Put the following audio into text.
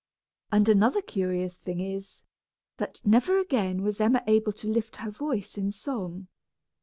And another curious thing is, that never again was Emma able to lift her voice in song.